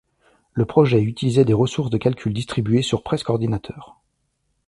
Le projet utilisait des ressources de calcul distribuées sur presque ordinateurs.